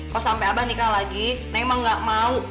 kalo sampe abah nikah lagi nenek mah gak mau